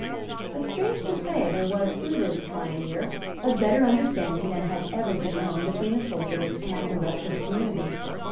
But, strange to say, there was, through this trying year, a better understanding than had ever been known between the soldiers and the rest of the community.